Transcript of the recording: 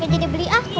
jadi dibeli aku